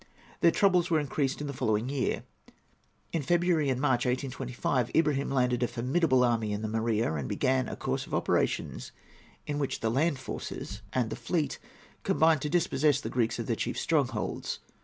Their troubles were increased in the following year. In February and March, 1825, Ibrahim landed a formidable army in the Morea, and began a course of operations in which the land forces and the fleet combined to dispossess the Greeks of their chief strongholds.